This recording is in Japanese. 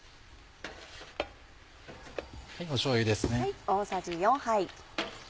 しょうゆですね。